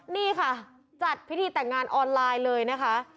นี่ค่ะจัดพิธีแต่งงานออนไลน์เลยนะคะ